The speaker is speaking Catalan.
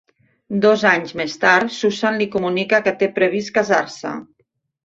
Dos anys més tard, Susan li comunica que té previst casar-se.